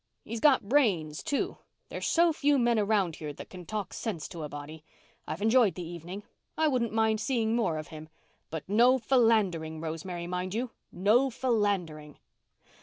He's got brains, too. There's so few men round here that can talk sense to a body. I've enjoyed the evening. I wouldn't mind seeing more of him. But no philandering, Rosemary, mind you—no philandering."